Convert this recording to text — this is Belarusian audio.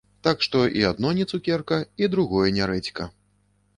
Так што і адно не цукерка і другое не рэдзька.